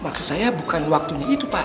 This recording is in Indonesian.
maksud saya bukan waktunya itu pak